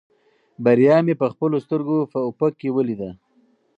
بریا مې په خپلو سترګو په افق کې ولیده.